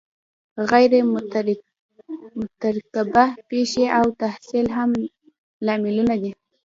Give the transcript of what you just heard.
غیر مترقبه پیښې او تحصیل هم لاملونه دي.